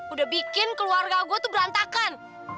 udah bikin keluarga aku tuh berantakan